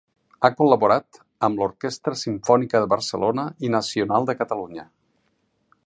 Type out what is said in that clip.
Ha col·laborat amb l'Orquestra Simfònica de Barcelona i Nacional de Catalunya.